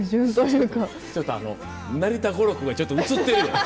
ちょっと成田語録がちょっとうつってるよ。